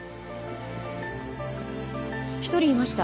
１人いました。